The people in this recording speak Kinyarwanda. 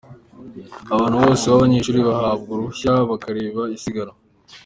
Ahantu hose abanyeshuli bahabwa uruhushya bakareba isiganwa.